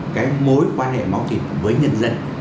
cái mối quan hệ máu thịt với nhân dân